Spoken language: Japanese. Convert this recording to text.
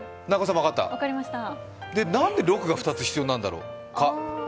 なんで６が２つ必要なんだろうか。